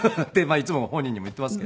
いつも本人にも言っていますけど。